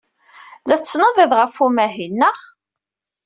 La tettnadim ɣef umahil, naɣ?